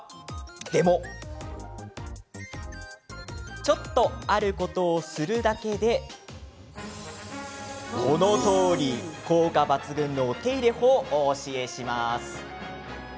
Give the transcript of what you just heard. でもちょっとあることをするだけでこのとおり！効果抜群のお手入れ法お教えします。